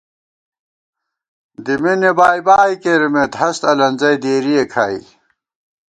دِمېنےبائی بائی کېرِمېت ہست الَنزَئی دېرِئے کھائی